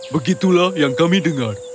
begitulah yang kami dengar